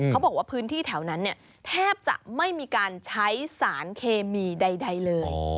เขาบอกว่าพื้นที่แถวนั้นเนี่ยแทบจะไม่มีการใช้สารเคมีใดเลย